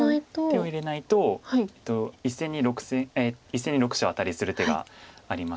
手を入れないと１線に６子をアタリする手がありまして。